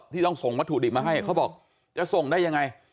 ต้องส่งวัตถุดิบมาให้เขาบอกจะส่งได้ยังไง